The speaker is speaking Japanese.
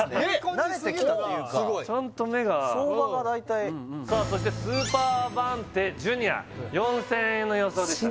慣れてきたっていうかちゃんと目が相場が大体そしてスーパーアバンテＪｒ．４０００円の予想でしたね